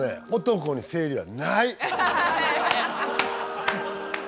男に生理はない。